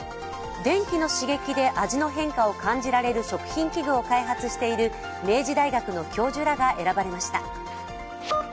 電気の刺激で味の変化を感じられる食品器具を開発している明治大学の教授らが選ばれました。